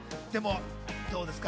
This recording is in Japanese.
どうですか？